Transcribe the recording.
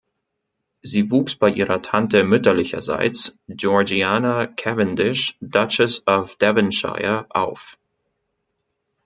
Sie wuchs bei ihrer Tante mütterlicherseits, Georgiana Cavendish, Duchess of Devonshire, auf.